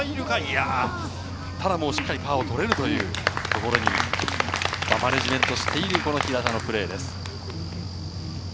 ただ、しっかりパーを取れるところにマネジメントしている平田のプレーです。